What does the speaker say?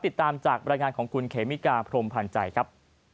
ติดตามจากบรรยายงานของคุณเขมิกาพรมพันธ์ใจครับ